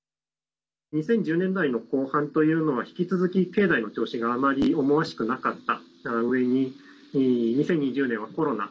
２０１０年代の後半というのは引き続き、経済の調子があまり思わしくなかったうえに２０２０年はコロナ。